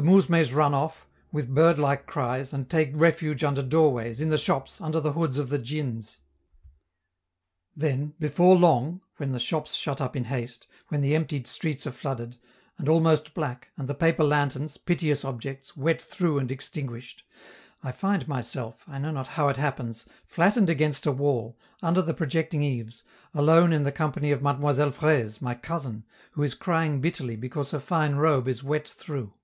The mousmes run off, with bird like cries, and take refuge under doorways, in the shops, under the hoods of the djins. Then, before long when the shops shut up in haste, when the emptied streets are flooded, and almost black, and the paper lanterns, piteous objects, wet through and extinguished I find myself, I know not how it happens, flattened against a wall, under the projecting eaves, alone in the company of Mademoiselle Fraise, my cousin, who is crying bitterly because her fine robe is wet through.